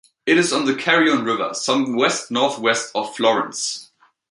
It is on the Carrione River, some west-northwest of Florence.